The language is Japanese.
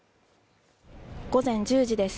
午前１０時です